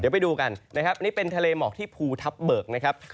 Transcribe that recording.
เดี๋ยวไปดูกันนะครับอันนี้เป็นทะเลหมอกที่ภูทับเบิกนะครับ